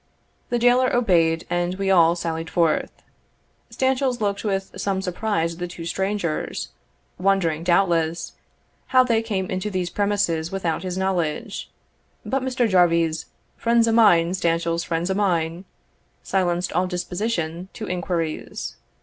The jailor obeyed, and we all sallied forth. Stanchells looked with some surprise at the two strangers, wondering, doubtless, how they came into these premises without his knowledge; but Mr. Jarvie's "Friends o' mine, Stanchells friends o' mine," silenced all disposition to inquiries.